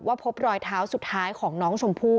แม่น้องชมพู่แม่น้องชมพู่